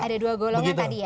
ada dua golongan tadi ya